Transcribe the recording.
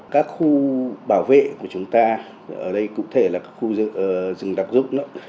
các khu bảo vệ của chúng ta ở đây cụ thể là khu rừng đặc dụng